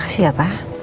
makasih ya pak